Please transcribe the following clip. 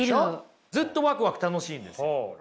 ずっとワクワク楽しいんです。